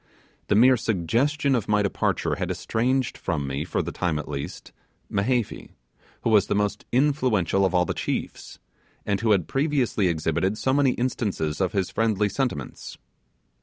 The mere suggestion of my departure had estranged from me, for the time at least, Mehevi, who was the most influential of all the chiefs, and who had previously exhibited so many instances of his friendly sentiments.